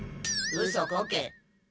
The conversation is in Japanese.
うそこけ。